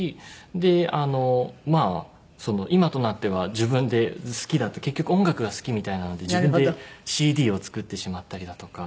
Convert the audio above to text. であのまあ今となっては自分で好きだった結局音楽が好きみたいなので自分でＣＤを作ってしまったりだとか。